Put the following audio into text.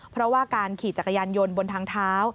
เพราะว่าการขี่จักรยานยนต์บนทางเท้า